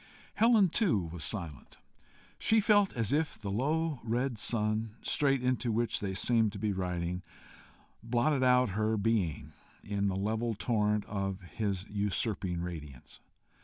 Helen too was silent: she felt as if the low red sun, straight into which they seemed to be riding, blotted out her being in the level torrent of his usurping radiance.